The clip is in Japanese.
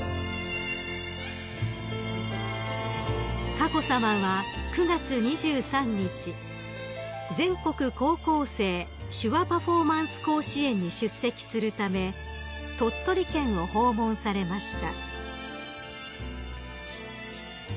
［佳子さまは９月２３日全国高校生手話パフォーマンス甲子園に出席するため鳥取県を訪問されました］